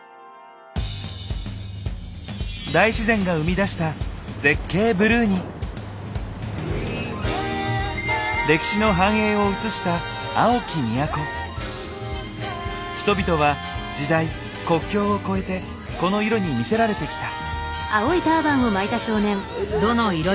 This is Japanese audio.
大自然が生み出した歴史の繁栄を映した人々は時代・国境をこえてこの色に魅せられてきた。